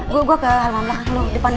gue ke halaman belakang lo depannya